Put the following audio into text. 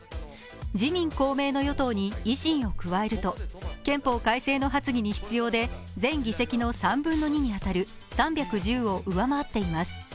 自民・公明の与党に維新を加えると憲法改正の発議に必要で、全議席の３分の２に当たる３１０を上回っています。